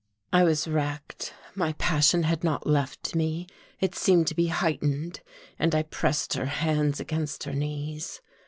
I was wracked. My passion had not left me, it seemed to be heightened, and I pressed her hands against her knees.